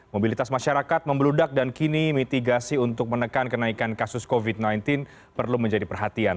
mobilitas masyarakat membeludak dan kini mitigasi untuk menekan kenaikan kasus covid sembilan belas perlu menjadi perhatian